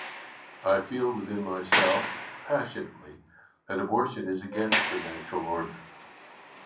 I feel within myself, passionately, that abortion is against the natural order.